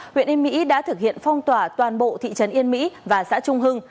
huyện yên mỹ đã thực hiện phong tỏa toàn bộ thị trấn yên mỹ và xã trung hưng